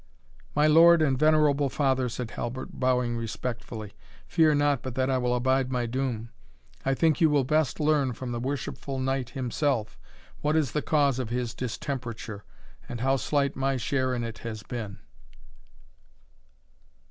"My lord and venerable father," said Halbert, bowing respectfully, "fear not but that I will abide my doom. I think you will best learn from the worshipful knight himself, what is the cause of his distemperature, and how slight my share in it has been."